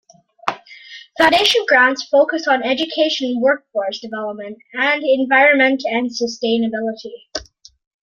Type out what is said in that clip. Foundation grants focus on education and workforce development, and environment and sustainability.